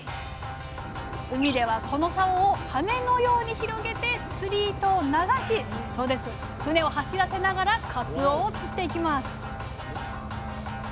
⁉海ではこのさおを羽のように広げて釣り糸を流し船を走らせながらかつおを釣っていきます